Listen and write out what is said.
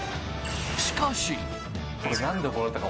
しかし。